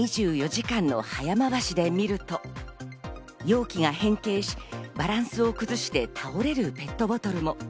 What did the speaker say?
２４時間の早まわしで見ると、容器が変形し、バランスを崩して倒れるペットボトルも。